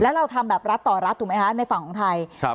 แล้วเราทำแบบรัฐต่อรัฐถูกไหมคะในฝั่งของไทย